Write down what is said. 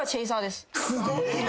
すごいな。